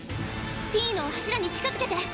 ピーノを柱に近づけて！